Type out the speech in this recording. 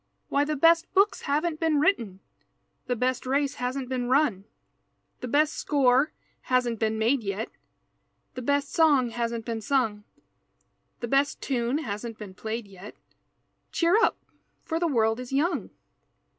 Why, the best books haven't been written The best race hasn't been run, The best score hasn't been made yet, The best song hasn't been sung, The best tune hasn't been played yet, Cheer up, for the world is young!